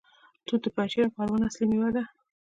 توت د پنجشیر او پروان اصلي میوه ده.